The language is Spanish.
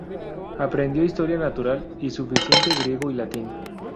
Aprendió historia natural y suficiente griego y latín.